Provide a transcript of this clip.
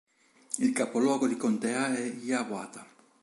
Il capoluogo di contea è Hiawatha.